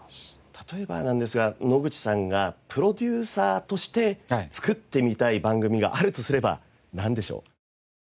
例えばなんですが野口さんがプロデューサーとして作ってみたい番組があるとすればなんでしょう？